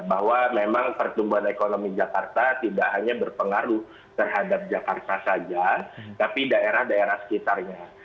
bahwa memang pertumbuhan ekonomi jakarta tidak hanya berpengaruh terhadap jakarta saja tapi daerah daerah sekitarnya